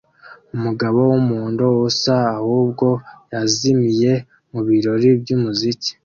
Umugabo wumuhondo usa ahubwo yazimiye mubirori byumuziki